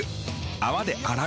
泡で洗う。